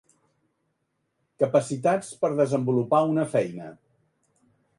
Capacitats per desenvolupar una feina.